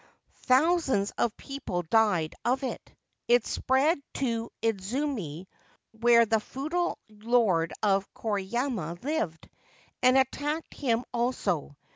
Thousands of people died of it. It spread to Idzumi, where the feudal Lord of Koriyama lived, and attacked him also.